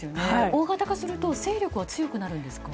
大型化すると勢力は強くなるんですか。